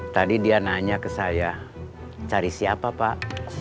tadi dia nanya ke saya cari siapa pak